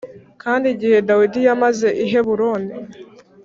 Kandi igihe Dawidi yamaze i Heburoni